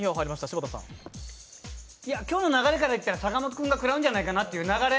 今日の流れてからいったら阪本君が食らうんじゃないかという流れ。